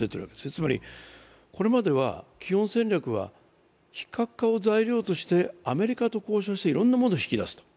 つまりこれまでは基本戦略は非核化を材料としてアメリカと交渉していろんなものを引き出す。